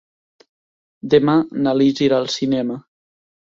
Demà na Lis irà al cinema.